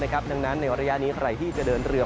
ดังนั้นในระยะนี้ใครที่จะเดินเรือ